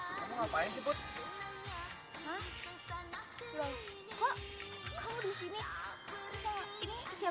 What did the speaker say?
kamu ngapain cepet